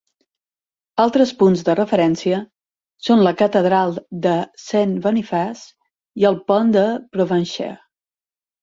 Altres punts de referència són la catedral de Saint Boniface i el pont de Provencher.